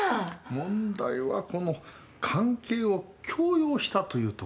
問題はこの関係を強要したというところですな。